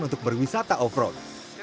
untuk berwisata off road